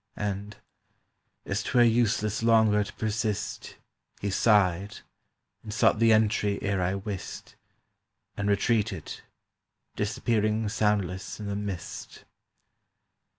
And, as 'twere useless longer To persist, He sighed, and sought the entry Ere I wist, And retreated, disappearing soundless in the mist.